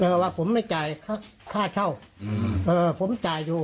แต่ว่าผมไม่จ่ายค่าเช่าผมจ่ายอยู่